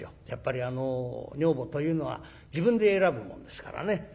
やっぱり女房というのは自分で選ぶもんですからね。